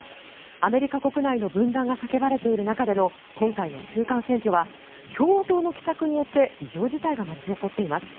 アメリカ国内の分断が叫ばれている中での今回の中間選挙は共和党の奇策によって異常事態が巻き起こっています。